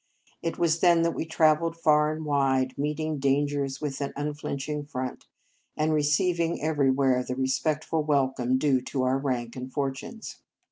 It was then that we trav elled far and wide, meeting dangers with an unflinching front, and receiv ing everywhere the respectful wel come due to our rank and fortunes.